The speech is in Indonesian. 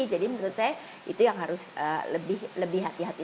jadi menurut saya itu yang harus lebih hati hati